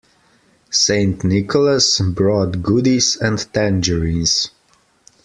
St. Nicholas brought goodies and tangerines.